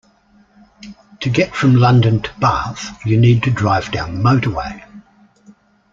To get from London to Bath you need to drive down the motorway